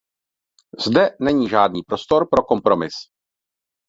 Zde není žádný prostor pro kompromis.